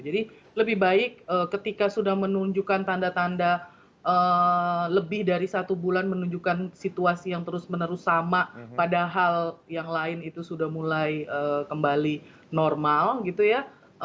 jadi lebih baik ketika sudah menunjukkan tanda tanda lebih dari satu bulan menunjukkan situasi yang terus menerus sama padahal yang lain itu sudah mulai kembali normal gitu ya